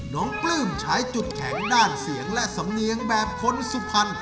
ปลื้มใช้จุดแข็งด้านเสียงและสำเนียงแบบคนสุพรรณ